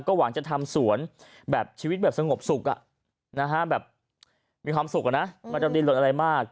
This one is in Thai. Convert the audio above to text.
ก็หวังจะทำสวนแบบชีวิตแบบสงบสุขมีความสุขนะมันจะมีรถอะไรมาก